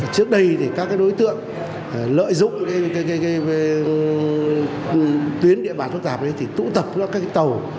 trước đây thì các đối tượng lợi dụng tuyến địa bàn phức tạp thì tụ tập các tàu